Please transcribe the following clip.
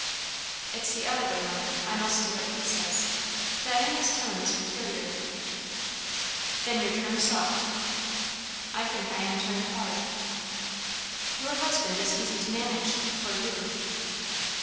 "It's the other way, mother. I must do what he says." Diana's tone was peculiar. "Then you're turned soft." "I think I am turned hard." "Your husband is easy to manage for you."